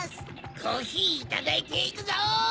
コーヒーいただいていくぞ！